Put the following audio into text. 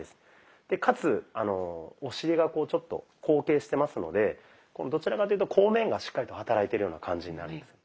でかつお尻がちょっと後傾してますのでどちらというと後面がしっかりと働いてるような感じになります。